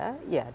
ya dirubah dua